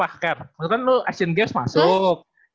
maksudnya lo asian games masuk